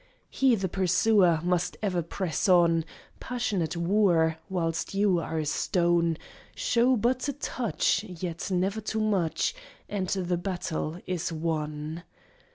He the pursuer Must ever press on, Passionate wooer Whilst you are a stone; Shew but a touch, Yet never too much And the battle is won.